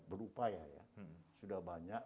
berupaya sudah banyak